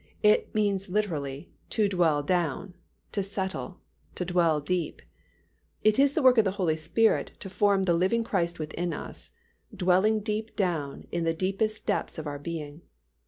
It means literally, "to dwell down," "to settle," "to dwell deep." It is the work of the Holy Spirit to form the living Christ within us, dwelling deep down in the deepest depths of our being.